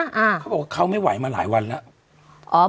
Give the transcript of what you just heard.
เขาบอกว่าเขาไม่ไหวมาหลายวันแล้ว